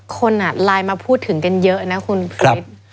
คนไลน์มาพูดถึงกันเยอะนะคุณคริส